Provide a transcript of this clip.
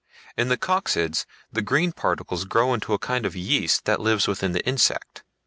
In the coccids, the green particles grow into a kind of yeast that lives within the insect.